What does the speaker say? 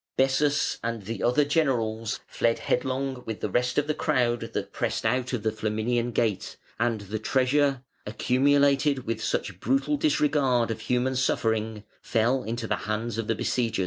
Bessas and the other generals fled headlong with the rest of the crowd that pressed out of the Flaminian Gate, and the treasure, accumulated with such brutal disregard of human suffering, fell into the hands of the besiegers.